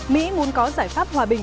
mỹ muốn có giải pháp hòa bình với iran